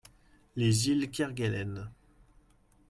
Les Îles Kerguelen.